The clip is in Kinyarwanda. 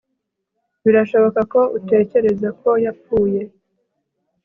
Birashoboka ko utekereza ko yapfuye